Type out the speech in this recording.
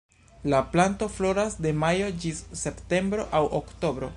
La planto floras de majo ĝis septembro aŭ oktobro.